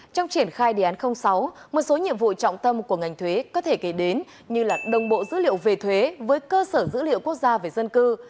trong triển khai đề án sáu một số nhiệm vụ trọng tâm của ngành thuế có thể kể đến như là đồng bộ dữ liệu về thuế với cơ sở dữ liệu quốc gia về dân cư